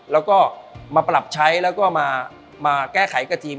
แล้วก็มาปรับใช้แล้วก็มาแก้ไขกับทีม